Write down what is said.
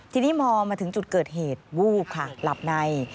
ทีนี้พอมาถึงจุดเกิดเหตุวูบค่ะหลับใน